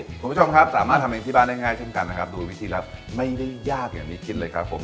คุณผู้ชมครับสามารถทำเองที่บ้านได้ง่ายเช่นกันนะครับดูวิธีรับไม่ได้ยากอย่างที่คิดเลยครับผม